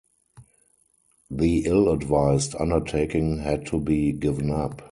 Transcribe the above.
The ill-advised undertaking had to be given up.